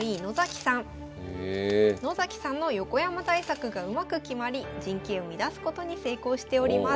野崎さんの横山対策がうまく決まり陣形を乱すことに成功しております。